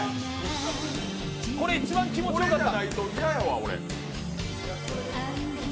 これ、一番気持ちよかった。